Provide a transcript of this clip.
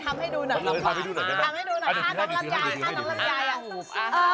หมายใดทัมให้ดูหน่ะ